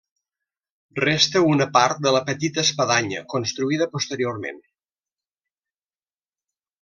Resta una part de la petita espadanya construïda posteriorment.